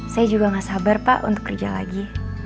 saya juga gak sabar pak untuk kerja lagi